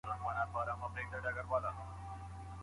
کیمیاوي سره خوړو ته څه زیان رسوي؟